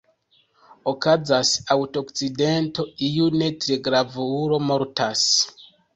Okazas aŭtoakcidento, iu ne-tre-grav-ulo mortas.